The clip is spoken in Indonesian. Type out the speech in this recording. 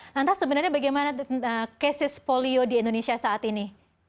lantas sebenarnya bagaimana kesis polio di indonesia saat ini